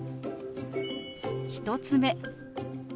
１つ目。